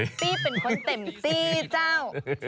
ปี้เป็นคนเต็มที่เจ้า